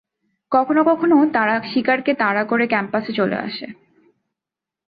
কখনও কখনও তারা শিকার কে তাড়া করে ক্যাম্পাসে চলে আসে।